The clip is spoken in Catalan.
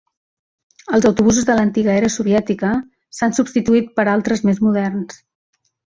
Els autobusos de l'antiga era soviètica s'han substituït per altres més moderns.